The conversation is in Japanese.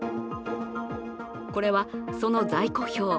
これはその在庫表。